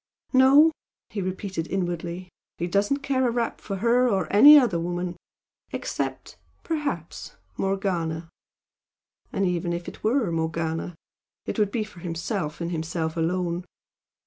"No," he repeated inwardly "He doesn't care a rap for her or any other woman except perhaps Morgana! And even if it were Morgana, it would be for himself and himself alone!